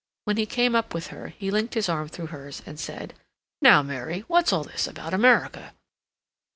When he came up with her he linked his arm through hers and said: "Now, Mary, what's all this about America?"